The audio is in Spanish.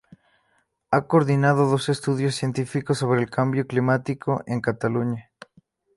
Ha coordinado dos estudios científicos sobre el cambio climático en Cataluña.